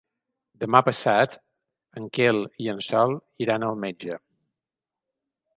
Demà passat en Quel i en Sol iran al metge.